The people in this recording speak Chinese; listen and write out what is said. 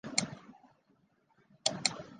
水蜡烛为唇形科水蜡烛属下的一个种。